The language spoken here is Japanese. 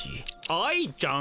愛ちゃん？